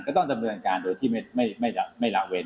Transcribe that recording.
ต้องดำเนินการโดยที่ไม่ละเว้น